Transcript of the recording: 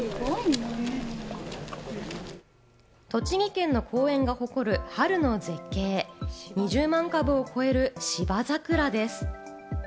栃木県の公園が誇る春の絶景、２０万株を超える芝ざくらです。